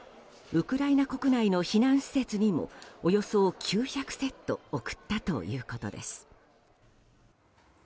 ウクライナ国内の避難施設にもおよそ９００セット送ったということです。